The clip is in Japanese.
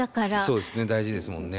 そうですね大事ですもんね。